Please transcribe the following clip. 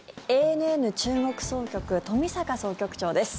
ＡＮＮ中国総局冨坂総局長です。